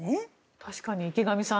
確かに池上さん